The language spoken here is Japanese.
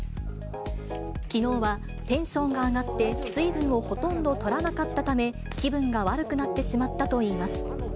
きのうはテンションが上がって水分をほとんどとらなかったため、気分が悪くなってしまったといいます。